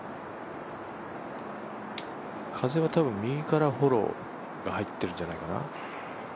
風は多分右からフォローが入ってるんじゃないかな。